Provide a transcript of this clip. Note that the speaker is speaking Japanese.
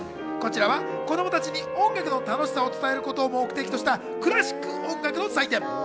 こちらは子供たちに音楽の楽しさを伝えることを目的としたクラシック音楽の祭典。